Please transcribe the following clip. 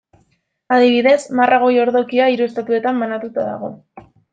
Adibidez Marra goi-ordokia hiru estatuetan banatuta dago.